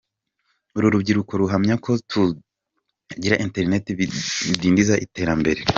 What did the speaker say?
Uru rubyiruko ruhamya ko kutagira internet bidindiza iterambere.